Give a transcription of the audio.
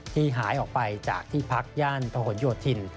ที่หายออกไปจากที่พักย่านพญยดทิน